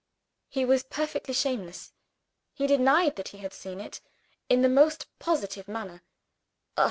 He was perfectly shameless; he denied that he had seen it, in the most positive manner.